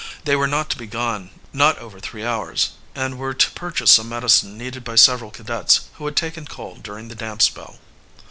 They were not to be gone not over three hours, and were to purchase some medicine needed by several cadets who had taken cold during the damp spell.